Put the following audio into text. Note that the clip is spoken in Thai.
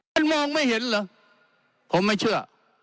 มองไม่เห็นเหรอผมไม่เชื่อ